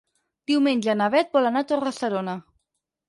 Diumenge na Bet vol anar a Torre-serona.